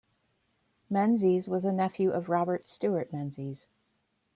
Menzies was a nephew of Robert Stewart Menzies.